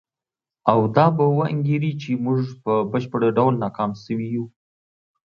او دا به وانګیري چې موږ په بشپړ ډول ناکام شوي یو.